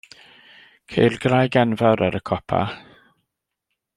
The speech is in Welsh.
Ceir graig enfawr ar y copa.